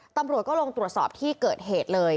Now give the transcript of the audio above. ตำรวจก็ลงตรวจสอบที่เกิดเหตุเลย